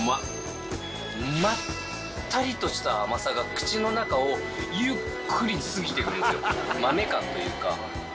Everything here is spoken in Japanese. まったりとした甘さが口の中をゆっくり過ぎてくんですよ。